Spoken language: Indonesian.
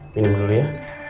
minum dulu ya